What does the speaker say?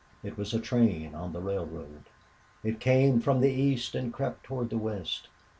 It was a train on the railroad. It came from the east and crept toward the west.